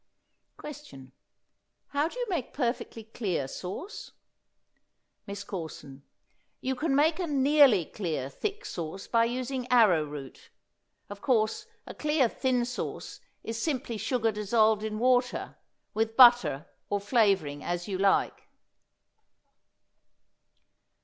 Question. How do you make perfectly clear sauce? MISS CORSON. You can make a nearly clear thick sauce by using arrow root. Of course, a clear thin sauce is simply sugar dissolved in water, with butter or flavoring as you like.